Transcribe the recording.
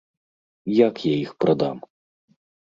Як я іх прадам?